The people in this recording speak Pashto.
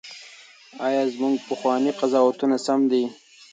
ایا زموږ پخواني قضاوتونه سم دي؟